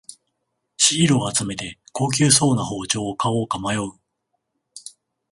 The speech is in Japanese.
シールを集めて高級そうな包丁を買おうか迷う